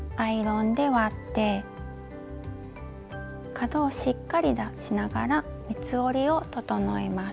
角をしっかり出しながら三つ折りを整えます。